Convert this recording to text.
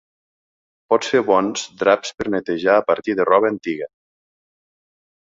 Pots fer bons draps per netejar a partir de roba antiga.